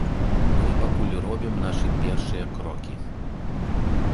Мы пакуль робім нашы першыя крокі.